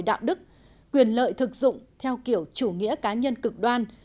đạo đức quyền lợi thực dụng theo kiểu chủ nghĩa cá nhân cực đoan